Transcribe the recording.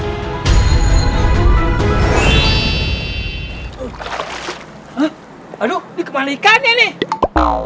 hah aduh dikemalikan ya nih